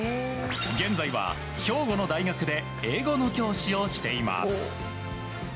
現在は兵庫の大学で英語の教師をしています。